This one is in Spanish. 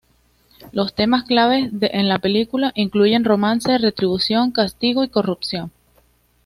Los temas claves en la película incluyen romance, retribución, castigo y corrupción.